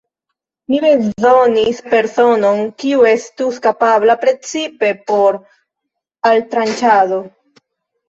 Mi bezonis personon, kiu estus kapabla precipe por altranĉado.